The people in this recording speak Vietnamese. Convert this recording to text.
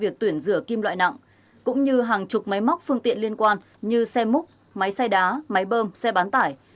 việc tuyển rửa kim loại nặng cũng như hàng chục máy móc phương tiện liên quan như xe múc máy xay đá máy bơm xe bán tải